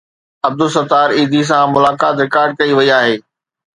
عبدالستار ايڌي سان ملاقات رڪارڊ ڪئي وئي آهي.